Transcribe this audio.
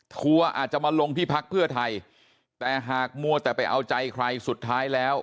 ทัวร์อาจจะมาลงที่พักเพื่อไทยแต่หากมัวแต่ไปเอาใจใครสุดท้ายแล้ว